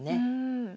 うん。